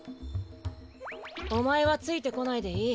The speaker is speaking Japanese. おまえはついてこないでいい。